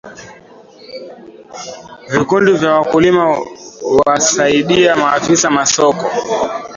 Vikundi vya wakulima huasaidia maafisa masoko